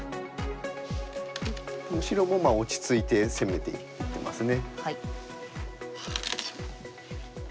白も落ち着いて攻めていってますね。